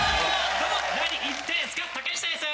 どうもなに言ってんすか竹下です。